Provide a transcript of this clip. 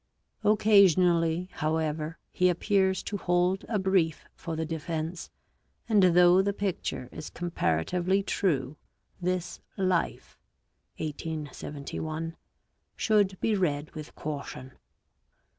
Occasionally, however, he appears to hold a brief for the defence, and, though the picture is comparatively true, this Life (1871) should be read with caution.